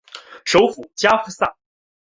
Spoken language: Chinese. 首府加夫萨。